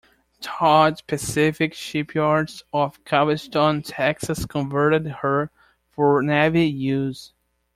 Todd Pacific Shipyards of Galveston, Texas converted her for Navy use.